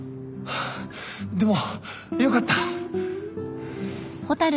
でもよかった。